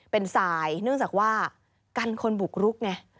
เป็นสายเนื่องจากว่ากันคนบุกรุกไง